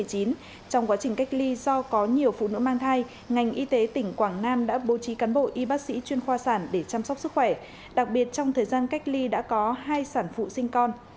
trong quá trình cách ly do có nhiều phụ nữ mang thai ngành y tế tỉnh quảng nam đã bố trí cán bộ y bác sĩ chuyên khoa sản để chăm sóc sức khỏe đặc biệt trong thời gian cách ly đã có hai sản phụ sinh con